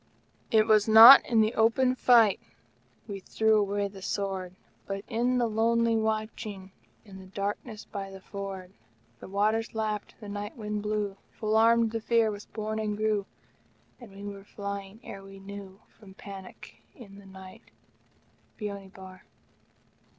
It was not in the open fight We threw away the sword, But in the lonely watching In the darkness by the ford. The waters lapped, the night wind blew, Full armed the Fear was born and grew, And we were flying ere we knew From panic in the night. Beoni Bar.